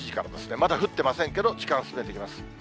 まだ降ってませんけど、時間進めていきます。